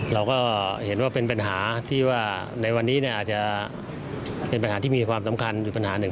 เราก็เห็นว่าเป็นปัญหาที่ว่าในวันนี้อาจจะเป็นปัญหาที่มีความสำคัญอยู่ปัญหาหนึ่ง